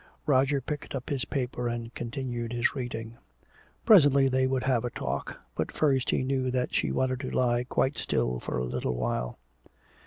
Roger picked up his paper and continued his reading. Presently they would have a talk, but first he knew that she wanted to lie quite still for a little while.